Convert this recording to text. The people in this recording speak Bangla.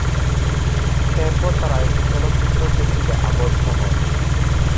এরপর তারা একটি চলচ্চিত্র চুক্তিতে আবদ্ধ হন।